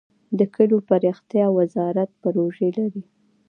د کلیو پراختیا وزارت پروژې لري؟